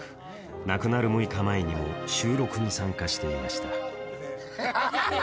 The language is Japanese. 亡くなる６日前にも収録に参加していました。